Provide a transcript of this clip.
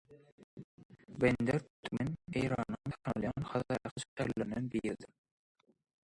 Bender Türkmen Eýranyň tanalýan Hazarýaka şäherlerinden biridir